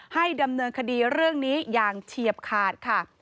ให้ดำเนินคดีเรื่องนี้อย่างเฉียบขาดค่ะ